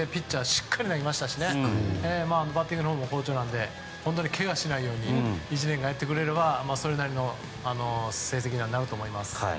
しっかり投げましたしバッティングのほうも好調なのでけがしないように１年間やってくれればそれなりの成績にはなると思います。